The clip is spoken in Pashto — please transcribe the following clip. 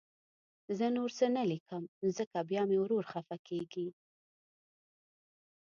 زه نور څه نه لیکم، ځکه بیا مې ورور خفه کېږي